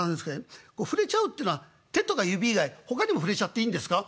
こう触れちゃうってのは手とか指以外ほかにも触れちゃっていいんですか？」。